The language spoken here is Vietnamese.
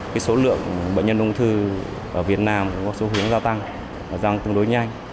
cái số lượng bệnh nhân ung thư ở việt nam có số hướng giao tăng giao tương đối nhanh